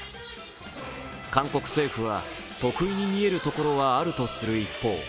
韓国政府は、特異に見えるところはあるとする一方